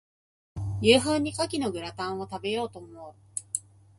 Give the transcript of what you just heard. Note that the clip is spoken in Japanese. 夕飯に牡蠣のグラタンを、食べようと思う。